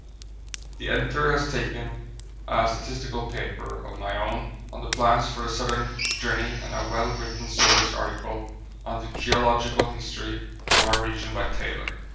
The Editor has taken a statistical paper of my own on the plans for the Southern Journey and a well written serious article on the Geological History of our region by Taylor.